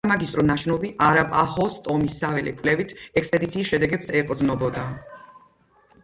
სამაგისტრო ნაშრომი არაპაჰოს ტომის საველე კვლევით ექსპედიციის შედეგებს ეყრდნობოდა.